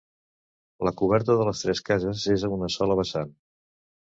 La coberta de les tres cases és a una sola vessant.